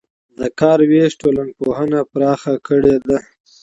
د کار وېش ټولنپوهنه پراخه کړې ده.